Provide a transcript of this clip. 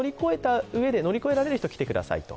乗り越えられる人来てくださいと。